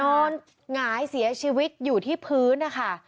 หงายเสียชีวิตอยู่ที่พื้นนะคะ